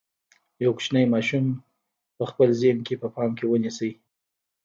یو کوچنی ماشوم په خپل ذهن کې په پام کې ونیسئ.